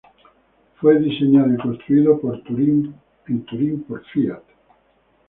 Fue diseñado y construido en Turín por Fiat.